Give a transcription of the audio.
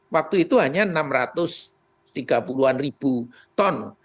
waktu itu hanya enam ratus tiga puluh an ribu ton